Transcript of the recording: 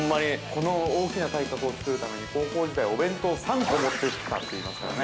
◆この大きな体格を作るために、高校時代、お弁当３個持ってったって言いますからね。